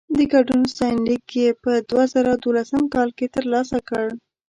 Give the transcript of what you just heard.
د ګډون ستاینلیک يې په دوه زره دولسم کال کې ترلاسه کړ.